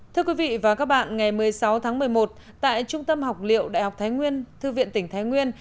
thưa quý vị và các bạn ngày một mươi sáu tháng một mươi một tại trung tâm học liệu đại học thái nguyên thư viện tỉnh thái nguyên